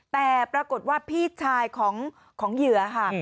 แต่ปรากฏว่าพี่ชายของเหยื่อค่ะ